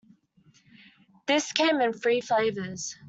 This came in three flavours.